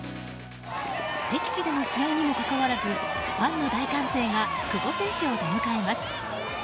敵地での試合にもかかわらずファンの大歓声が久保選手を出迎えます。